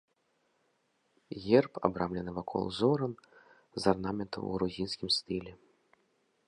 Герб абрамлены вакол узорам з арнаментаў у грузінскім стылі.